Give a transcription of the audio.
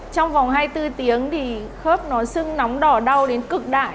trong vòng hai mươi bốn tiếng thì khớp nó sưng nóng đỏ đau đến cực đại